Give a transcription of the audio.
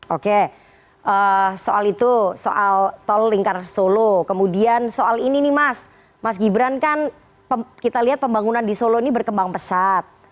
oke soal itu soal tol lingkar solo kemudian soal ini nih mas mas gibran kan kita lihat pembangunan di solo ini berkembang pesat